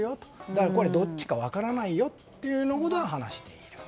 だからこれはどっちか分からないよということを話している。